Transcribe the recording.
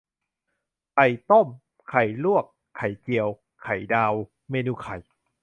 ไข่ต้ม ไข่ลวก ไข่เจียว ไข่ดาว เมนูไข่